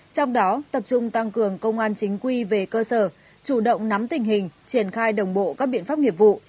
trong đó tập trung tăng cường công an chính quy về cơ sở chủ động nắm tình hình triển khai đồng bộ các biện pháp nghiệp vụ